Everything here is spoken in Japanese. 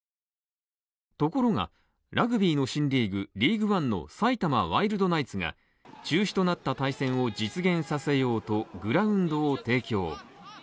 ところが、ラグビーの新リーグ、ＬＥＡＧＵＥＯＮＥの埼玉ワイルドナイツが中止となった対戦を実現させようとグラウンドを提供。